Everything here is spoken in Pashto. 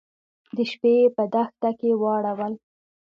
د شپې يې په دښته کې واړول.